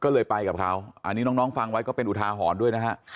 ก็เลยไปกับเขาอันนี้น้องฟังไว้ก็เป็นอุทาหรณ์ด้วยนะฮะ